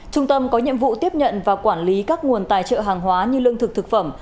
trung tâm có nhiệm vụ tiếp nhận và quản lý các nguồn tài trợ hàng hóa như lương thực thực phẩm